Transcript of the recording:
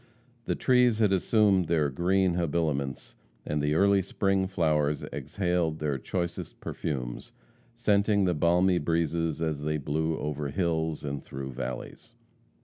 The trees had assumed their green habiliments, and the early spring flowers exhaled their choicest perfumes, scenting the balmy breezes as they blew over hills and through valleys.